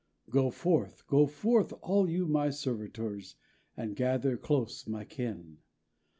Go forth, go forth, all you my servitors; (And gather close, my kin.)